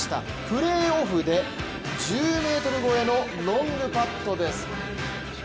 プレーオフで１０ｍ超えのロングパットです。